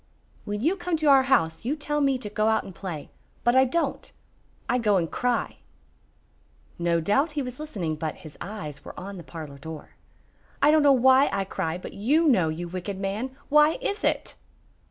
"When you come to our house you tell me to go out and play. But I don't. I go and cry." No doubt he was listening, but his eyes were on the parlor door. "I don't know why I cry, but you know, you wicked man! Why is it?"